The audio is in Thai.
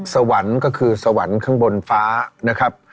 สวรรค์ก็คือสวรรค์ข้างบนฟ้านะครับ